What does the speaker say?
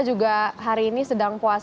juga hari ini sedang puasa